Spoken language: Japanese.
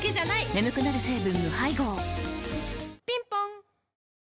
眠くなる成分無配合ぴんぽん